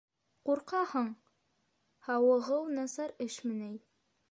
Ҡурҡаһың? һауығыу насар эшме ни?